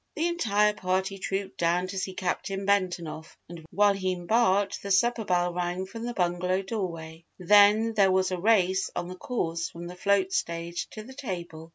The entire party trooped down to see Captain Benton off and while he embarked the supper bell rang from the bungalow doorway. Then there was a race on the course from the float stage to the table.